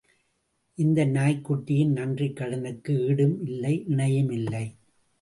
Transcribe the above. இந்த நாய்க்குட்டியின் நன்றிக் கடனுக்கு ஈடும் இல்லை இணையும் இல்லை.